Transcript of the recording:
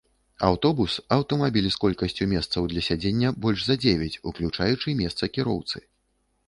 аўтобус — аўтамабіль з колькасцю месцаў для сядзення больш за дзевяць, уключаючы месца кіроўцы